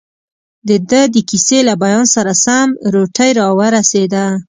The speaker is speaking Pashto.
دده د کیسې له بیان سره سم، روټۍ راورسېده.